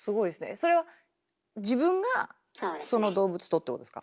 それは自分がその動物とってことですか？